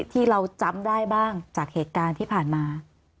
ที่เราจำได้บ้างจากเหตุการณ์ที่ผ่านมา